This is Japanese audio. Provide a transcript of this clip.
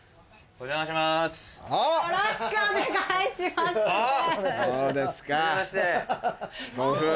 お邪魔します。